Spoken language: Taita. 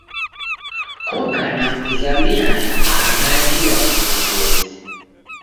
Koka na kuzamiana aghadi ya vilongozi.